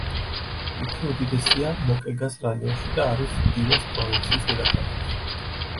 იგი უდიდესია მოკეგას რეგიონში და არის ილოს პროვინციის დედაქალაქი.